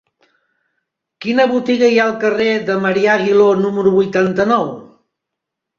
Quina botiga hi ha al carrer de Marià Aguiló número vuitanta-nou?